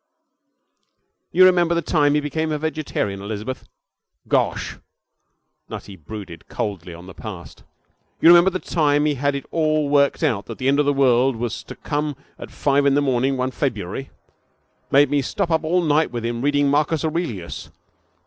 You remember the time he became a vegetarian, Elizabeth? Gosh!' Nutty brooded coldly on the past. 'You remember the time he had it all worked out that the end of the world was to come at five in the morning one February? Made me stop up all night with him, reading Marcus Aurelius!